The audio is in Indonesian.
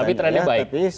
tapi trendnya baik